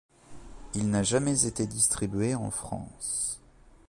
Il n'a jamais été distribué en France.